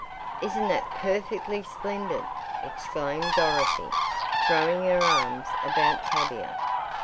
"Isn't that perfectly splendid!" exclaimed Dorothy, throwing her arms about Tavia.